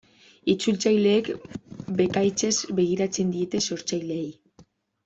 Itzultzaileek bekaitzez begiratzen diete sortzaileei.